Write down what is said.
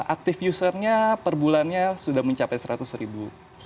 aktif usernya per bulannya sudah mencapai seratus ribu